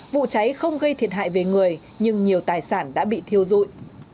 vụ cháy không gây thiệt hại về người nhưng nhiều tài sản đã bị thiêu dụi